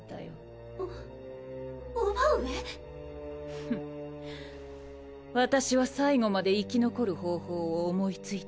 ふっ私は最後まで生き残る方法を思いついただけさ。